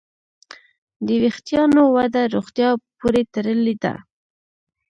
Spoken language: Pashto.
د وېښتیانو وده روغتیا پورې تړلې ده.